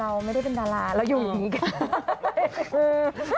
เราไม่ได้เป็นดาราเราอยู่อย่างนี้กัน